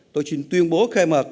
tôi xin tuyên bố khai mật